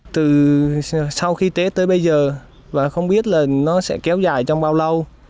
từ sau khi tết tới bây giờ không biết nó sẽ kéo dài trong bao lâu